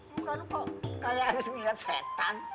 bukan kok kayak harus ngeliat setan